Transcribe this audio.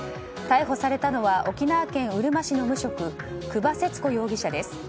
逮捕されたのは沖縄県うるま市の無職久場節子容疑者です。